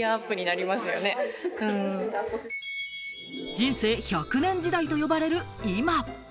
人生１００年時代と呼ばれる今。